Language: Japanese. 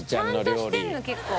私ちゃんとしてんの結構。